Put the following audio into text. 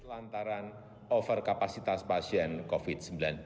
lantaran overkapasitas pasien covid sembilan belas